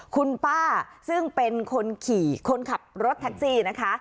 คุณป้าซึ่งเป็นคนขี่คนขับรถแท็กซี่นะคะ